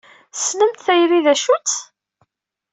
Tessnemt tayri d acu-tt?